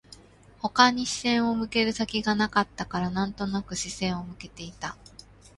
他に視線を向ける先がなかったから、なんとなく視線を向けていた